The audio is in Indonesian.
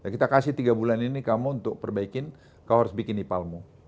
kita kasih tiga bulan ini kamu untuk perbaikin kau harus bikin ipal mu